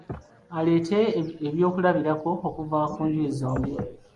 Aleete ebyokulabirako okuva ku njuyi zombi.